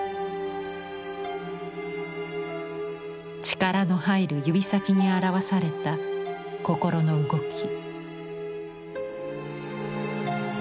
力の入る指先に表された心の動き。